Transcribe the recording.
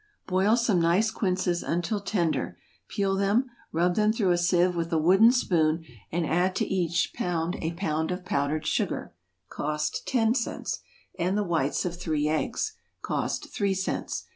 = Boil some nice quinces until tender, peel them, rub them through a sieve with a wooden spoon, and add to each pound a pound of powdered sugar, (cost ten cents,) and the whites of three eggs, (cost three cents.)